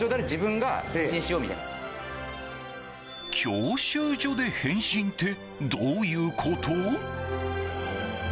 教習で変身ってどういうこと？